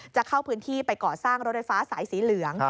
จะเข้าพื้นที่ไปก่อสร้างรถไฟฟ้าสายสีเหลือง